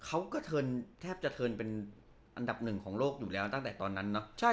เขาก็เทินแทบจะเทิร์นเป็นอันดับหนึ่งของโลกอยู่แล้วตั้งแต่ตอนนั้นเนาะ